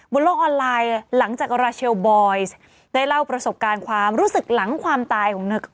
บนโลกออนไลน์หลังจากราชเชลบอยซ์ได้เล่าประสบการณ์ความรู้สึกหลังความตายของ